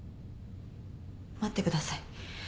待ってください。